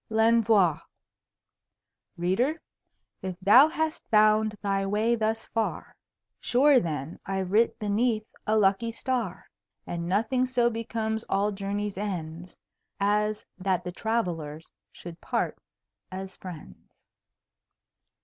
L'ENVOI Reader, if thou hast found thy Way thus far, Sure then I've writ beneath a lucky Star; And Nothing so becomes all Journeys' Ends As that the Travellers should part as Friends.